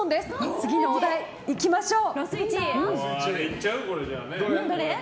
次のお題、いきましょう！